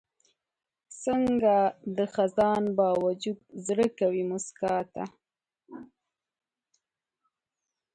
څنګه د خزان باوجود زړه کوي موسکا ته؟